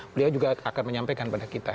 beliau juga akan menyampaikan pada kita